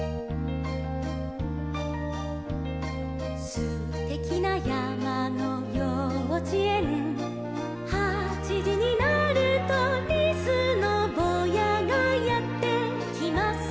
「すてきなやまのようちえん」「はちじになると」「リスのぼうやがやってきます」